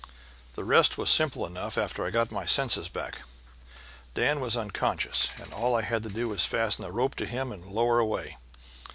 "The rest was simple enough after I got my senses back. Dan was unconscious, and all I had to do was fasten a rope to him and lower away.